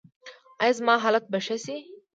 ایا زما حالت به ښه شي؟